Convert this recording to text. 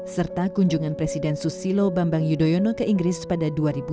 serta kunjungan presiden susilo bambang yudhoyono ke inggris pada dua ribu dua belas